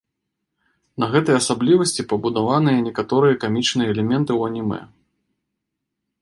На гэтай асаблівасці пабудаваныя некаторыя камічныя элементы ў анімэ.